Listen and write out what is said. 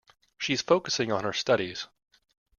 She's focusing on her studies.